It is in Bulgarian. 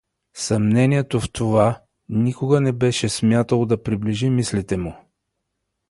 Съмнението в това никога не беше смяло да приближи мислите му.